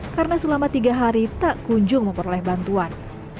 karena selama tiga hari tak kunjung memperoleh bantuan